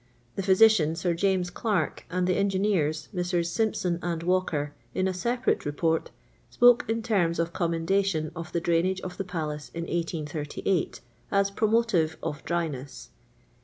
The physician. Sir James ('larke, and the engineers, Messrs. Simpson and Walker, in a separate Report, spoke in terms of com mendation of the drainage of the Palace in 1333, as promotive of dryness.